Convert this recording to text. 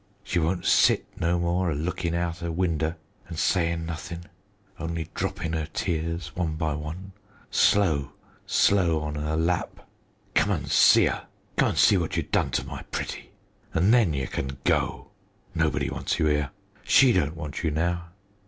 She won't sit no more a lookin' outer winder an' sayin' nothin' only droppin' 'er tears one by one, slow, slow on her lap. Come an' see 'er; come an' see what you done to my pretty an' then ye can go. Nobody wants you 'ere. She don't want you now.